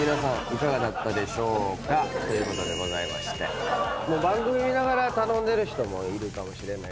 いかがだったでしょうか。ということでございまして番組見ながら頼んでる人もいるかもしれない。